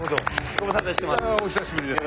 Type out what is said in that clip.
ご無沙汰してます。